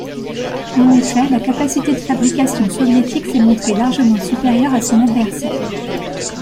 En effet, la capacité de fabrication soviétique s'est montrée largement supérieure à son adversaire.